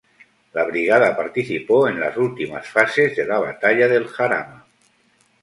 La brigada participó en las últimas fases de la Batalla del Jarama.